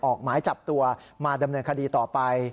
ออกหมายจับตัวมาดำเนินคดีต่อไป